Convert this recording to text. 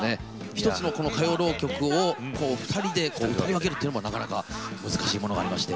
１つのこの歌謡浪曲を２人で歌い分けるっていうのがなかなか難しいものがありまして。